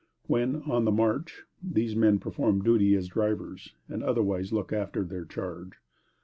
When on the march, these men perform duty as drivers, and otherwise look after their charge.